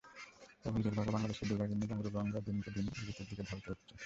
কেবল দুর্ভাগা বাংলাদেশের দুর্ভাগিনী বুড়িগঙ্গা দিনকে দিন বিলুপ্তির দিকে ধাবিত হচ্ছে।